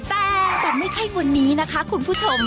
แต่แต่ไม่ใช่วันนี้นะคะคุณผู้ชม